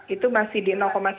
itu masih di sembilan